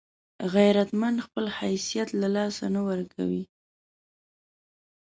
غیرتمند خپل حیثیت له لاسه نه ورکوي